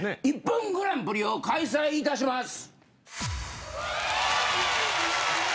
『ＩＰＰＯＮグランプリ』を開催いたします。